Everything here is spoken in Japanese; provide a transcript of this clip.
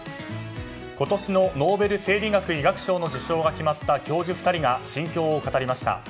今年のノーベル生理学・医学賞の受賞が決まった教授２人が心境を語りました。